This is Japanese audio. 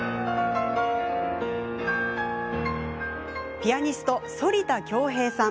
ピアニスト、反田恭平さん。